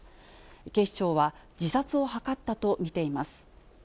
警視庁は自殺を図ったと見ています。